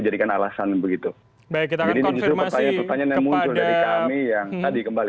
jadi ini justru pertanyaan yang muncul dari kami yang tadi kembali